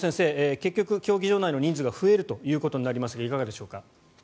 結局、競技場内の人数が増えるということになりますがいかがでしょうか。